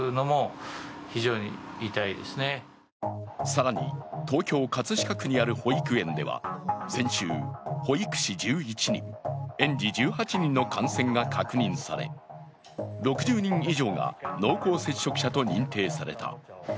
更に、東京・葛飾区にある保育園では先週、保育士１１人、園児１８人の感染が確認され６０人以上が濃厚接触者と認定された。